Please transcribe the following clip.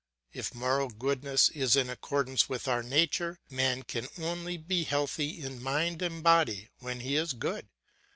If moral goodness is in accordance with our nature, man can only be healthy in mind and body when he is good.